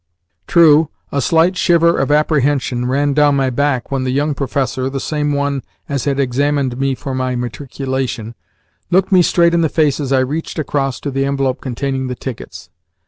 True, a slight shiver of apprehension ran down my back when the young professor the same one as had examined me for my matriculation looked me straight in the face as I reached across to the envelope containing the tickets.